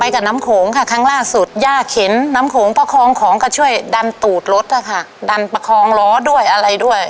กับน้ำโขงค่ะครั้งล่าสุดย่าเข็นน้ำโขงประคองของก็ช่วยดันตูดรถนะคะดันประคองล้อด้วยอะไรด้วย